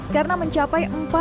karena mencapai empat puluh